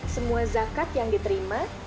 semua zakat yang diterima